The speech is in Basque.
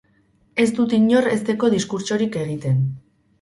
Ez dut inor hezteko diskurtsorik egiten.